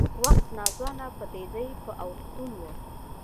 وخت ناځوانه په تېزۍ په اوښتون و